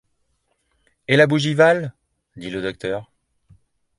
Et la Bougival ?… dit le docteur.